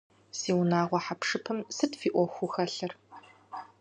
Си унагъуэ хьэпшыпым сыт фи Ӏуэхуу хэлъыр?